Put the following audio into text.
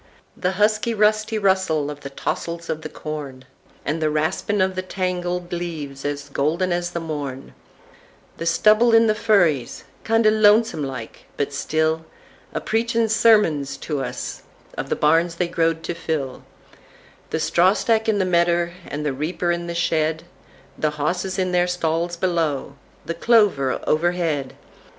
The husky, rusty russel of the tossels of the corn, And the raspin' of the tangled leaves as golden as the morn; The stubble in the furries—kindo' lonesome like, but stillA preachin' sermuns to us of the barns they growed to fill; The strawstack in the medder, and the reaper in the shed; The hosses in theyr stalls below—the clover overhead!